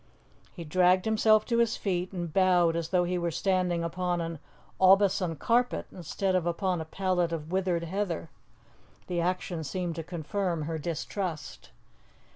He dragged himself to his feet and bowed as though he were standing upon an Aubusson carpet instead of upon a pallet of withered heather. The action seemed to confirm her distrust.